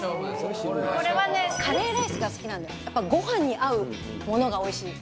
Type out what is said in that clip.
これはね、カレーライスが好きなんで、やっぱごはんに合うものがおいしい。